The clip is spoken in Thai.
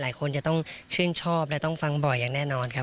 หลายคนจะต้องชื่นชอบและต้องฟังบ่อยอย่างแน่นอนครับ